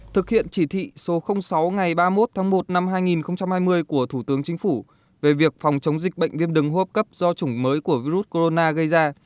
thực hiện chỉ thị số sáu ngày ba mươi một tháng một năm hai nghìn hai mươi của thủ tướng chính phủ về việc phòng chống dịch bệnh viêm đường hô hấp cấp do chủng mới của virus corona gây ra